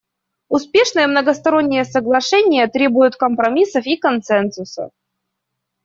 Успешные многосторонние соглашения требуют компромиссов и консенсуса.